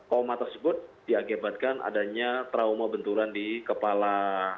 koma tersebut diakibatkan adanya trauma benturan di kepala